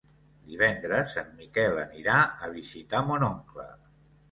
Divendres en Miquel anirà a visitar mon oncle.